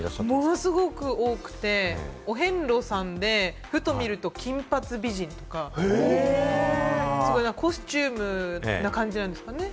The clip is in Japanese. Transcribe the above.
ものすごく多くて、お遍路さんで、ふと見ると金髪美人とか、コスチュームな感じなんですかね？